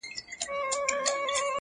زړه دي وچوه غمازه د بخت ستوری مي ځلیږي -